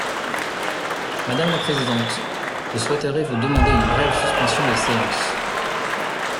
Madame la présidente, je souhaiterais vous demander une brève suspension de séance.